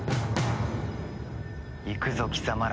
行くぞ貴様ら。